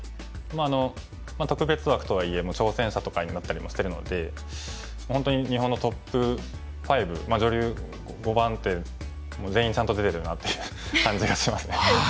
特別枠とはいえ挑戦者とかになったりもしてるので本当に日本のトップ５女流５番手全員ちゃんと出てるなっていう感じがしますね。